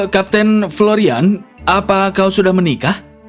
kapten florian apa kau sudah menikah